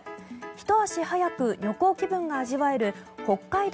ひと足早く旅行気分が味わえる北海道